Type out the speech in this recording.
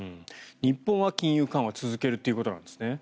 日本は金融緩和続けるということなんですね。